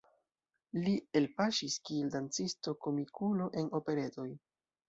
Li elpaŝis kiel dancisto-komikulo en operetoj.